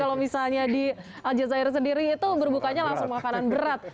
kalau misalnya di al jazeera sendiri itu berbukanya langsung makanan berat